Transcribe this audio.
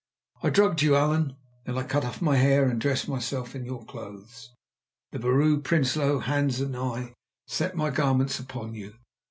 "I drugged you, Allan, then I cut off my hair and dressed myself in your clothes. The Vrouw Prinsloo, Hans and I set my garments upon you.